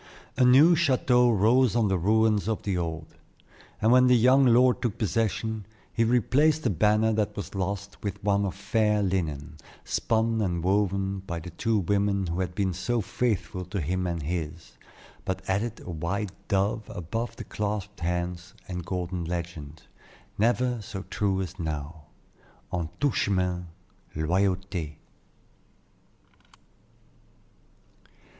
A new chateau rose on the ruins of the old, and when the young lord took possession, he replaced the banner that was lost with one of fair linen, spun and woven by the two women who had been so faithful to him and his, but added a white dove above the clasped hands and golden legend, never so true as now, "En tout chemin loyauté."